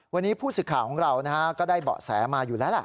วันนี้ผู้สื่อข่าวของเราก็ได้เบาะแสมาอยู่แล้วล่ะ